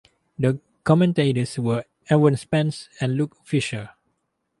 The commentators were Ewan Spence and Luke Fisher.